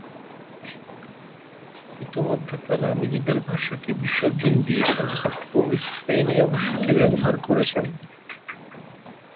ইতোমধ্যে তারা নিজেদের ভাষাকে বিসর্জন দিয়েছেন ও স্পেনীয় ভাষাকে ব্যবহার করছেন।